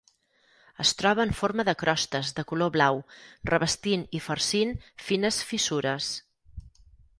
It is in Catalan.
Es troba en forma de crostes de color blau, revestint i farcint fines fissures.